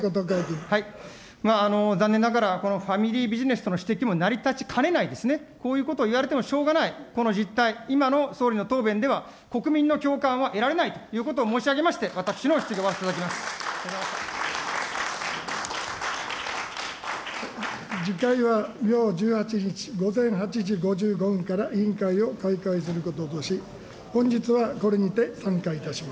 残念ながら、このファミリービジネスとの指摘も成り立ちかねないですね、こういうことをいわれてもしょうがない、この実態、今の総理の答弁では、国民の共感は得られないということを申し上げまして、私の質疑は終わらせていただきます。